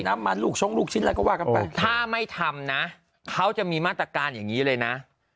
ลูกชงลูกชิ้นอะไรก็ว่ากันไปถ้าไม่ทำนะเขาจะมีมาตรการอย่างนี้เลยนะ